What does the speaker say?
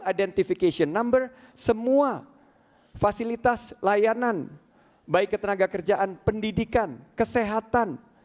identification number semua fasilitas layanan baik ketenaga kerjaan pendidikan kesehatan